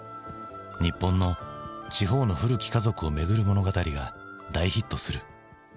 日本の地方の古き家族をめぐる物語が大ヒットする。